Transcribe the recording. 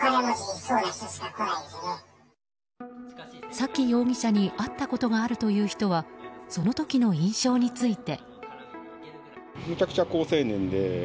崎容疑者に会ったことがあるという人はその時の印象について。